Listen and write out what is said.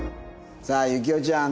さあ行雄ちゃん